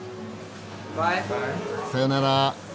さよなら。